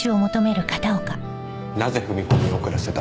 なぜ踏み込みを遅らせた？